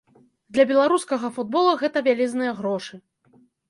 Для беларускага футболу гэта вялізныя грошы.